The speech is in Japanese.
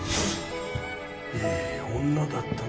・いい女だったな